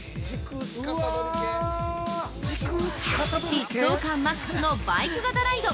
◆疾走感マックスのバイク型ライド